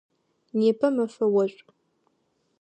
Непэ мэфэ ошӏу.